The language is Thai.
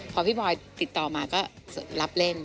พอพี่บอยติดต่อมาก็รับเล่น